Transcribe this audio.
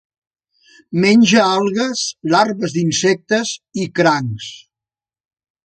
Menja algues, larves d'insectes i crancs.